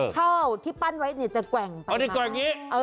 ข้าวที่ปั้นไว้เนี่ยจะแกว่งไปมาก